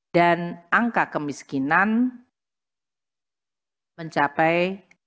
dan angka kemiskinan mencapai sembilan tiga puluh enam